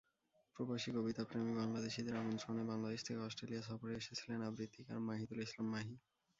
প্রবাসী কবিতাপ্রেমী বাংলাদেশিদের আমন্ত্রণে বাংলাদেশ থেকে অস্ট্রেলিয়া সফরে এসেছিলেন আবৃত্তিকার মাহিদুল ইসলাম মাহি।